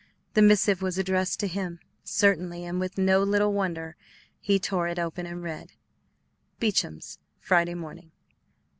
The missive was addressed to him, certainly; and with no little wonder he tore it open and read: BEACHAM'S Friday morning.